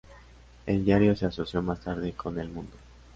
El diario se asoció más tarde con "El Mundo".